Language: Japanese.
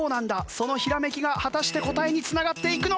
そのひらめきが果たして答えにつながっていくのか？